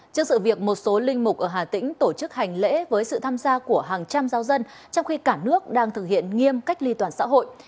trước sự việc một số linh mục ở hà tĩnh tổ chức hành lễ với sự tham gia của hàng trăm giao dân trong khi cả nước đang thực hiện nghiêm cách ly toàn xã hội